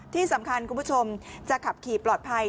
ที่สำคัญคุณผู้ชมจะขับขี่ปลอดภัย